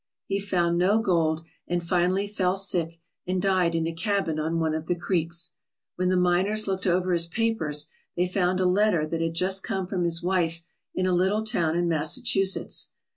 He found no gold and finally fell sick and died in a cabin on one of the creeks. When the miners looked over his papers they found a letter that had just come from his wife in a little town in Massachusetts.